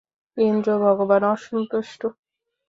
ইন্দ্র ভগবান অসন্তুষ্ট।